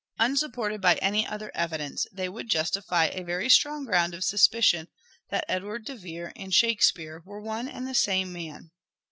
Un supported by any other evidence they would justify a very strong ground of suspicion that Edward de Vere and " Shakespeare " were one and the same man.